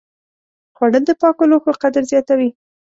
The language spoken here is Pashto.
خوړل د پاکو لوښو قدر زیاتوي